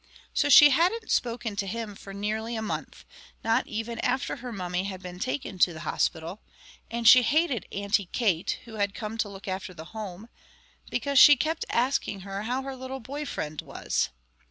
So she hadn't spoken to him for nearly a month, not even after her mummy had been taken to the hospital; and she hated Auntie Kate, who had come to look after the home, because she kept asking her how her little boy friend was.